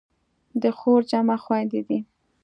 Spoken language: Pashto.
د خور جمع خویندې دي.